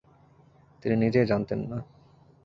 তিনি নিজেই জানতেন না।